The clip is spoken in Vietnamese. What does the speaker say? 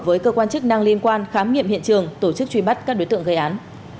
với cơ quan chức năng liên quan khám nghiệm hiện trường tổ chức truy bắt các đối tượng gây án